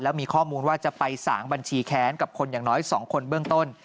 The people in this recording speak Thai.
แล้วมีข้อมูลว่าจะไปสางบัญชีแค้นกับคนอย่างน้อย๒คนเบื้องต้น